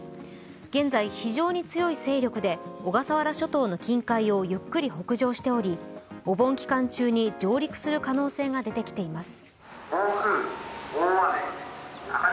現在、非常に強い勢力で小笠原諸島の近海をゆっくり北上しており、お盆期間中に上陸する可能性が出てきてます。